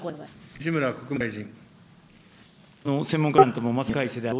西村国務大臣。